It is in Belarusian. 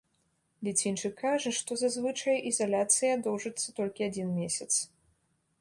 Ліцвінчык кажа, што зазвычай ізаляцыя доўжыцца толькі адзін месяц.